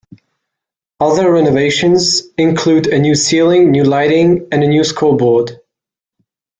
Other renovations include a new ceiling, new lighting, and a new scoreboard.